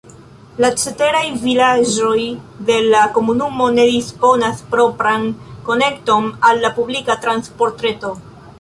La ceteraj vilaĝoj de la komunumo ne disponas propran konekton al la publika transportreto.